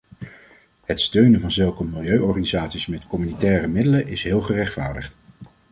Het steunen van zulke milieuorganisaties met communautaire middelen is heel gerechtvaardigd.